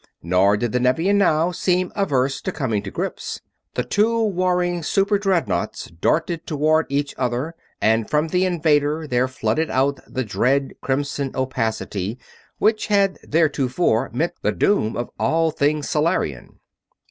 Nor did the Nevian now seem averse to coming to grips. The two warring super dreadnoughts darted toward each other, and from the invader there flooded out the dread crimson opacity which had theretofore meant the doom of all things Solarian.